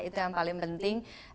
itu yang paling penting